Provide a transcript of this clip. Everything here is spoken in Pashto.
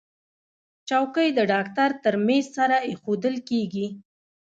چوکۍ د ډاکټر تر میز سره ایښودل کېږي.